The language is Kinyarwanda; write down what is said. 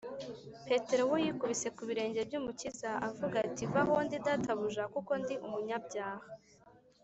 petero we yikubise ku birenge by’umukiza avuga ati: “va aho ndi databuja, kuko ndi umunyabyaha